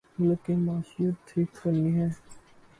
ملک کی معیشت ٹھیک کرنی ہے